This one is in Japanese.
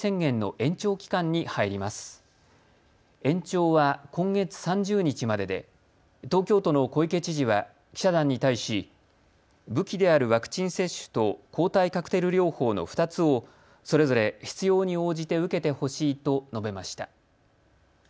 延長は今月３０日までで東京都の小池知事は記者団に対し武器であるワクチン接種と抗体カクテル療法の２つをそれぞれ必要に応じて受けてほしいと述べました。